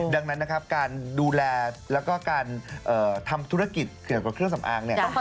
ดังนั้นนะครับการดูแลแล้วก็การทำธุรกิจเกี่ยวกับเครื่องสำอางเนี่ย